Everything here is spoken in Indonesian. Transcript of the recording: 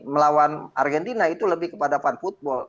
melawan argentina itu lebih kepada fun football